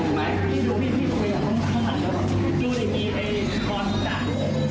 พี่ไม่เน่ะเน่นทางทาง